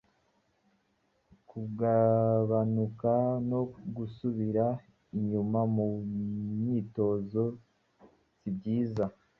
Kugabanuka no gusubira inyuma mu myitozo si byiza,